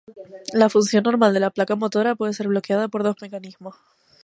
La función normal de la placa motora puede ser bloqueada por dos mecanismos.